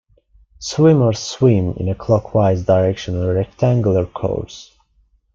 Swimmers swim in a clockwise direction on a rectangular course.